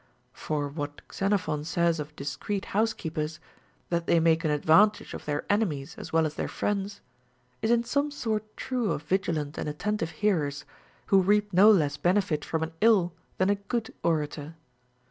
For Avhat Xenophon says of discreet house keepers, that they make an advantage of their enemies as well as their friends, is in some sort true of vigilant and at tentive hearers, who reap no less benefit from an ill than a good orator.